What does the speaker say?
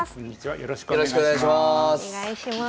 よろしくお願いします。